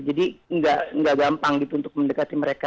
jadi gak gampang gitu untuk mendekati mereka